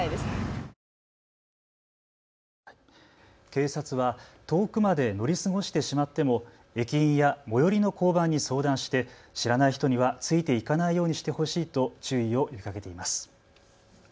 警察は遠くまで乗り過ごしてしまっても駅員や最寄りの交番に相談して知らない人にはついていかないようにしてほしいと注意を呼びかけています。